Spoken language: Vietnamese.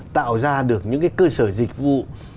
tạo ra được những cái cơ sở dịch vụ